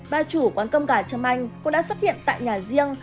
ba chủ quán cơm gà châm anh cũng đã xuất hiện tại nhà riêng